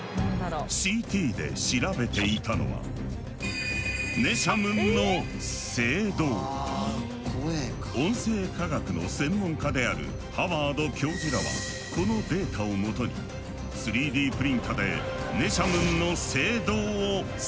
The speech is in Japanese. ＣＴで調べていたのはネシャムンの音声科学の専門家であるハワード教授らはこのデータをもとに３Ｄプリンターでネシャムンの声道を再現。